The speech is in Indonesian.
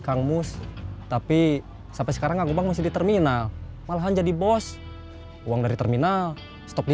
kang mus tapi sampai sekarang aku bangun di terminal malahan jadi bos uang dari terminal